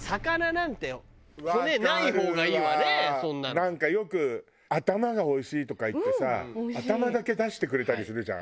なんかよく「頭がおいしい」とか言ってさ頭だけ出してくれたりするじゃん。